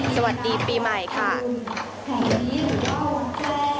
สวัสดีปีใหม่ค่ะ